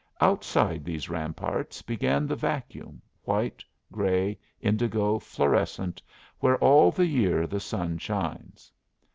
Outside these ramparts began the vacuum, white, gray, indigo, florescent, where all the year the sun shines.